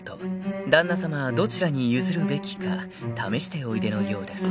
［旦那さまはどちらに譲るべきか試しておいでのようです］